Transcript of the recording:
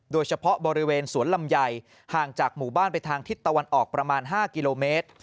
โดยเฉพาะบริเวณสวนลำไยห่างจากหมู่บ้านไปทางทิศตะวันออกประมาณ๕กิโลเมตร